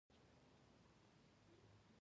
ایا زه باید یوازې ویده شم؟